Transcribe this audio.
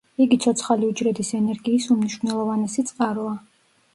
იგი ცოცხალი უჯრედის ენერგიის უმნიშვნელოვანესი წყაროა.